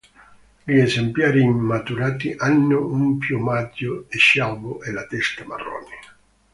Gli esemplari immaturi hanno un piumaggio scialbo e la testa marrone.